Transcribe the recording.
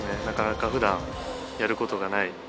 なかなかふだんやる事がない。